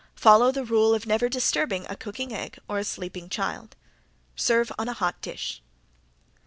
Follow the rule of never disturbing a cooking egg or a sleeping child. Serve on a hot dish.